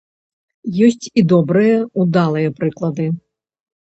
Ёсць і добрыя, удалыя прыклады.